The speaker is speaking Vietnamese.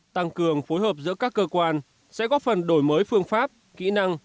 tăng cường phối hợp giữa các cơ quan sẽ góp phần đổi mới phương pháp kỹ năng